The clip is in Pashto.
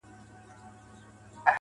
گرا ني خبري سوې پرې نه پوهېږم